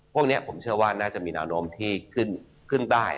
พวกนี้ผมเชื่อว่าน่าจะมีแนวโน้มที่ขึ้นได้